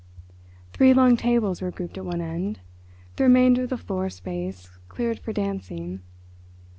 Three long tables were grouped at one end, the remainder of the floor space cleared for dancing.